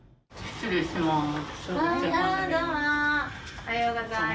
おはようございます。